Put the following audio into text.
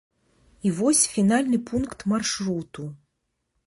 І вось фінальны пункт маршруту.